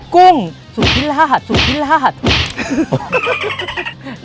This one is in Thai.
กุ้งสูทิศราชสูทิศราช